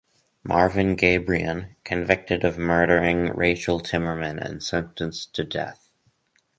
Marvin Gabrion - Convicted of murdering Rachel Timmerman and sentenced to death.